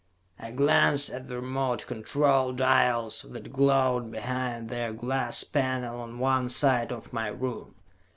I glanced at the remote control dials that glowed behind their glass panel on one side of my room.